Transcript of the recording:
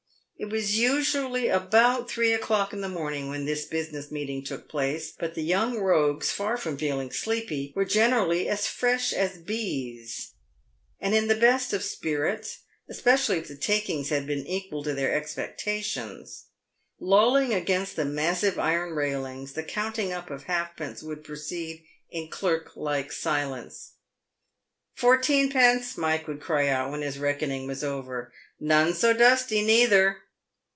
It was usually about three o'clock in the morning when this business meeting took place, but the young rogues, far from feel ing sleepy, were generally as fresh as bees, and in the best of spirits, especially if the "takings" had been equal to their expectations. PAVED WITH GOLD. 117 Lolling against the massive iron railings, the counting up of halfpence would proceed in clerk like silence. " Fourteenpence !" Mike would cry out when his reckoning was over. " None so dusty, neither